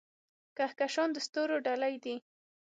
کهکشانونه د ستورو ډلې دي.